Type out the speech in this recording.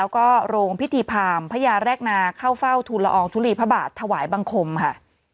แล้วก็โรงพิธีพามพญาแรกนาเข้าเฝ้าทุนละอองทุลีพระบาทถวายบังคมค่ะ